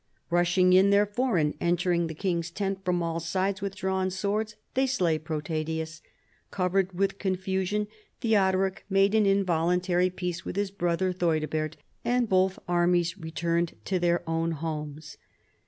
Rushing in, there fore, and entering the king's tent from all sides with drawn swords, they slay Protadius. Covered with confusion, Theodoric made an involuntary peace with his brother Theudebert, and both armies re turned to their own homes.